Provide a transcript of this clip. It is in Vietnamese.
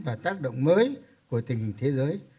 và tác động mới của tình hình thế giới